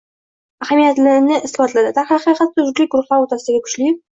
ahamiyatini isbotladi. Darhaqiqat, turli guruhlar o‘rtasidagi kuchli